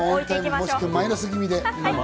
むしろマイナス気味で。